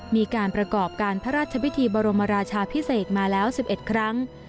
มีการประกอบการพระราชพิธีบรมราชาพิเศษมาแล้ว๑๑ครั้ง